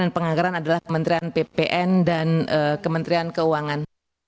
dan penganggaran adalah kementerian ppn dan kementerian keuangan